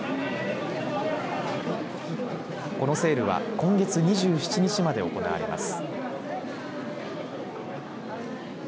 このセールは今月２７日まで行われます。